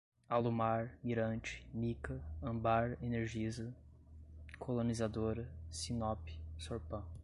Alumar, Mirante, Mika, Âmbar, Energisa, Colonizadora, Sinnop, Sorpan